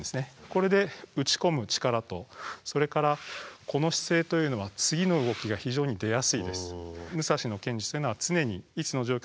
これで打ち込む力とそれからこの姿勢というのは次の動きが非常に出やすいです。